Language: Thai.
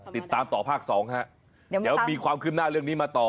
ติดตามต่อภาคสองฮะเดี๋ยวมีความคืบหน้าเรื่องนี้มาต่อ